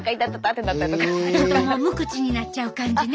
ちょっともう無口になっちゃう感じね。